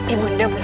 ibu nanda melakukan